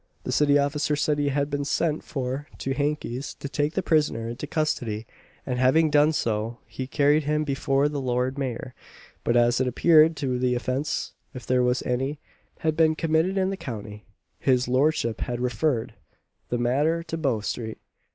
The city officer said he had been sent for to Hankey's to take the prisoner into custody; and having done so he carried him before the Lord Mayor; but as it appeared the offence, if there was any, had been committed in the county, his Lordship had referred the matter to Bow street.